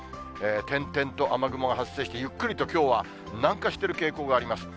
点々と雨雲が発生して、ゆっくりときょうは南下している傾向があります。